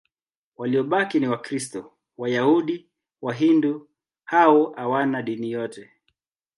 Waliobaki ni Wakristo, Wayahudi, Wahindu au hawana dini yote.